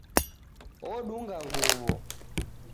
Odunga nguw'o